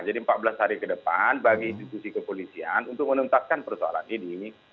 empat belas hari ke depan bagi institusi kepolisian untuk menuntaskan persoalan ini